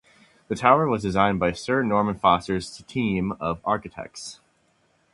The tower was designed by Sir Norman Foster's team of architects.